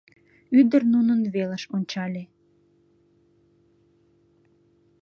Ӱдыр нунын велыш ончале.